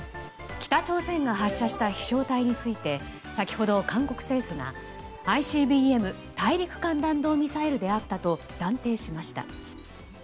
北朝鮮が発射した飛翔体について先ほど韓国政府がＩＣＢＭ・大陸間弾道ミサイルだったと断定しました。